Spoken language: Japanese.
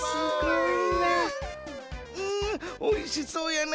うんおいしそうやね！